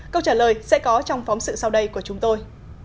câu trả lời sẽ có trong phóng sự sau đây của chúng tôi